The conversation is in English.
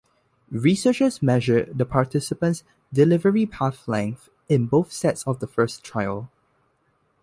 Researchers measured the participants' "delivery path length" in both sets of the first trial.